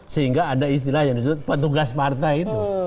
karena ada istilahnya yang disebut petugas partai itu